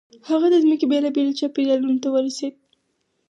هغه د ځمکې بېلابېلو چاپېریالونو ته ورسېد.